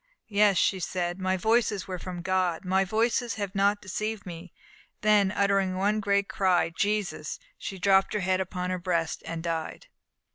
"Yes," she said, "my voices were from God! My voices have not deceived me!" Then, uttering one great cry "Jesus!" she drooped her head upon her breast, and died.